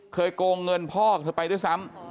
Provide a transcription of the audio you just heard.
เคยโกงเงินพ่อกับเธอไปด้วยซ้ำ